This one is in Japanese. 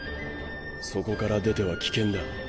そこから出ては危険だ。